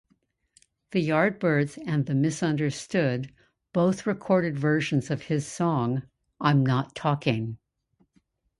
The Yardbirds and the Misunderstood both recorded versions of his song "I'm Not Talking".